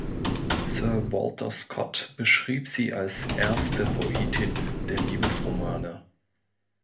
Sir Walter Scott beschrieb sie als „erste Poetin der Liebesromane“.